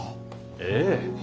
ええ。